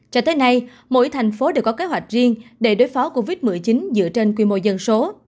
cho tới nay mỗi thành phố đều có kế hoạch riêng để đối phó covid một mươi chín dựa trên quy mô dân số